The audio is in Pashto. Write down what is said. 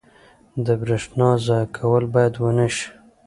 • د برېښنا ضایع کول باید ونه شي.